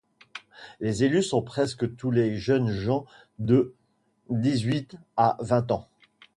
Les élus sont presque tous des jeunes gens de dix-huit à vingt ans.